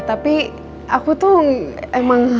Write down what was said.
tapi aku tuh emang